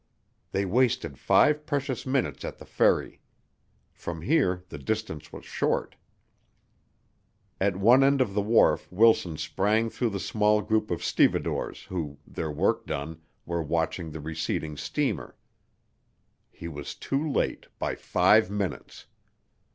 They wasted five precious minutes at the Ferry. From here the distance was short. At one end of the wharf Wilson sprang through the small group of stevedores who, their work done, were watching the receding steamer. He was too late by five minutes.